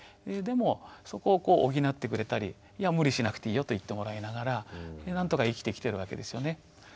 でもそこをこう補ってくれたりいや無理しなくていいよと言ってもらいながらなんとか生きてきてるわけですよね。